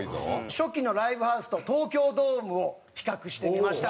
初期のライブハウスと東京ドームを比較してみました。